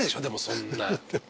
でもそんなん。